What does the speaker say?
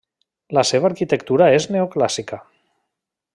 La seva arquitectura és neoclàssica.